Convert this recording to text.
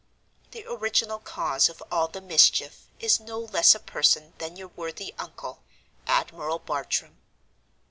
"The original cause of all the mischief is no less a person than your worthy uncle—Admiral Bartram.